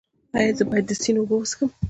ایا زه باید د سیند اوبه وڅښم؟